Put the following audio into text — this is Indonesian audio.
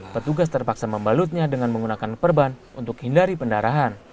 petugas terpaksa membalutnya dengan menggunakan perban untuk hindari pendarahan